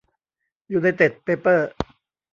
ยูไนเต็ด เปเปอร์